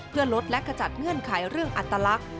เพื่อลดและขจัดเงื่อนไขเรื่องอัตลักษณ์